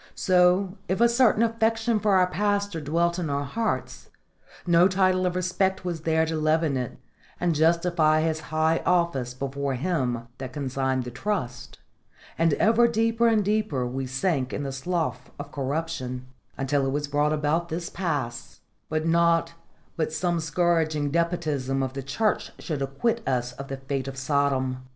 So, if a certain affection for our pastor dwelt in our hearts, no title of respect was there to leaven it and justify his high office before Him that consigned the trust; and ever deeper and deeper we sank in the slough of corruption, until was brought about this pass that naught but some scourging despotism of the Church should acquit us of the fate of Sodom.